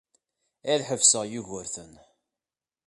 Ad ḥebseɣ Yugurten.